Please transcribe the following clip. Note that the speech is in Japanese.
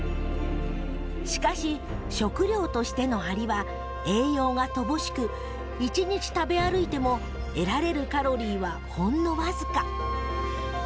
しかし食糧としてのアリは栄養が乏しく一日食べ歩いても得られるカロリーはほんの僅か。